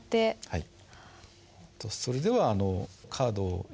はい。